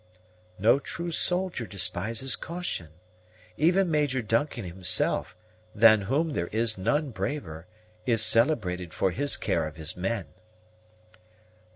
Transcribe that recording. "No true soldier despises caution. Even Major Duncan himself, than whom there is none braver, is celebrated for his care of his men."